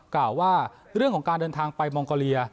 กล่าวว่าเรื่องของการเดินทางไปมองโกเลีย